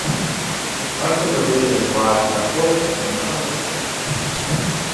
Most of the visitors arrive by float plane or helicopter.